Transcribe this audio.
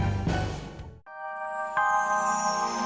kamu cepat tamu ya